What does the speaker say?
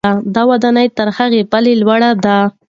دا ودانۍ تر هغې بلې لوړه ده.